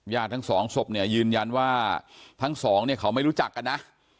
ทั้งสองศพเนี่ยยืนยันว่าทั้งสองเนี่ยเขาไม่รู้จักกันนะ